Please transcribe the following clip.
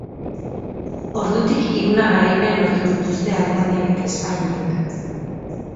Ordutik hiruna garaipen lortu dituzte Alemaniak eta Espainiak.